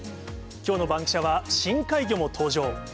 きょうのバンキシャは深海魚も登場。